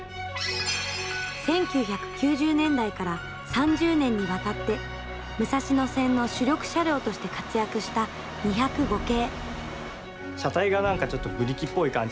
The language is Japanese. １９９０年代から３０年にわたって武蔵野線の主力車両として活躍した２０５系。